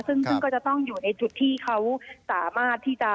ซึ่งก็จะต้องอยู่ในจุดที่เขาสามารถที่จะ